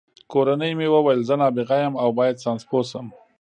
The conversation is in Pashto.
کورنۍ مې ویل زه نابغه یم او باید ساینسپوه شم